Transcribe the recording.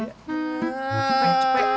masuk pengen capek